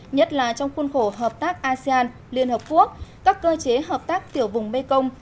nhất là trong khuôn khổ hợp tác asean liên hợp quốc các cơ chế hợp tác tiểu vùng mekong